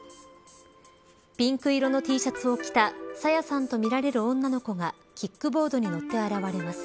ピンク色のＴシャツを着た朝芽さんとみられる女の子がキックボードに乗って現れます。